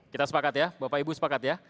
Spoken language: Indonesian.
kita sepakat ya bapak ibu sepakat ya